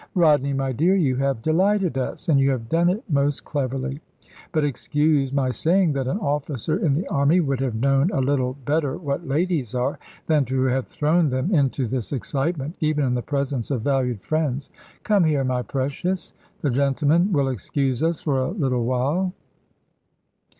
Rodney, my dear, you have delighted us, and you have done it most cleverly. But excuse my saying that an officer in the army would have known a little better what ladies are, than to have thrown them into this excitement, even in the presence of valued friends. Come here, my precious. The gentlemen will excuse us for a little while."